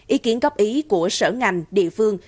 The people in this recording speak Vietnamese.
ý kiến góp ý của sở ngành địa phương